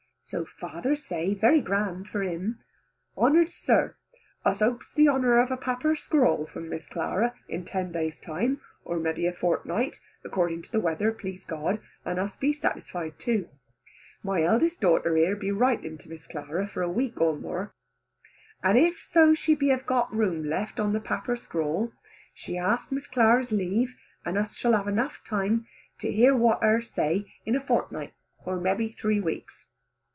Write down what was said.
So father say, very grand for him: "Honoured sir, us hopes the honour of a papper scrawl from Miss Clara in ten days time, or may be a fortnight, according to the weather please God, and us be satisfied too. My eldest daughter here be writing to Miss Clara for a week or more, and if so be she have got room left on the papper scrawl she ask Miss Clara's leave, and us shall have time enough to hear what her say in a fortnight, or mebbe three weeks."